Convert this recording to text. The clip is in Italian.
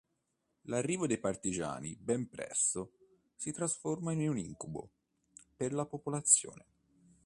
L'arrivo dei partigiani ben presto si trasforma in un incubo per la popolazione.